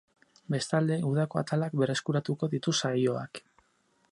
Bestalde, udako atalak berreskuratuko ditu saioak.